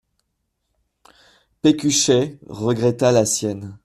Pécuchet regretta la sienne.